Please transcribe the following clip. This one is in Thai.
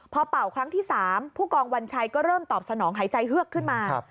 พอเป่าครั้งที่๓ผู้กองวัญชัยก็เริ่มตอบสนองหายใจเฮือกขึ้นมา